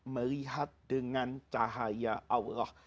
melihat dengan cahaya allah